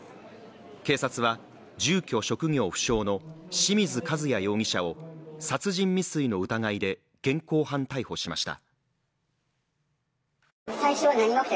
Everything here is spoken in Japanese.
警察は住居・職業不詳の清水和也容疑者を殺人未遂の疑いで現行犯逮捕しました。